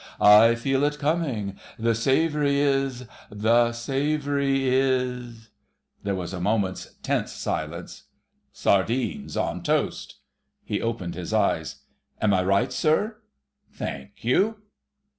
I feel it coming.... The savoury is ... the savoury is"—there was a moment's tense silence—"sardines on toast." He opened his eyes. "Am I right, sir? Thank you."